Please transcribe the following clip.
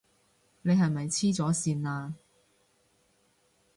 你係咪痴咗線啊？